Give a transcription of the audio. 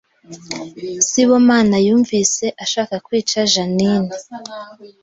Sibomana yumvise ashaka kwica Jeaninne